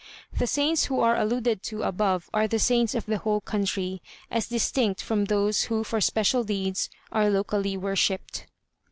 The saints who are alluded to above are the saints of the whole country, as distinct from those who for special deeds are locally worshipped.